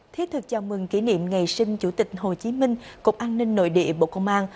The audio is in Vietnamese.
thiết thực chào mừng kỷ niệm ngày sinh chủ tịch hồ chí minh cục an ninh nội địa bộ công an